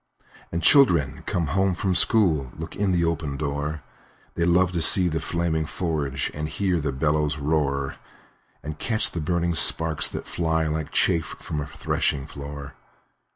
And children coming home from school Look in at the open door; They love to see the flaming forge, And hear the bellows roar, And catch the burning sparks that fly, Like chaff from a threshing floor.